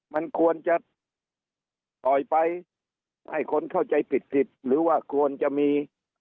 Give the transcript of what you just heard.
มันควรจะปล่อยไปให้คนเข้าใจผิดผิดหรือว่าควรจะมี